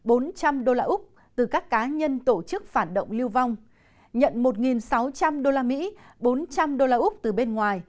bốn trăm linh usd úc từ các cá nhân tổ chức phản động lưu vong nhận một sáu trăm linh usd bốn trăm linh usd úc từ bên ngoài